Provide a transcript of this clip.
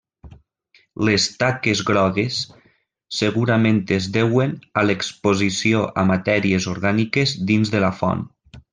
Les taques grogues segurament es deuen a l'exposició a matèries orgàniques dins de la font.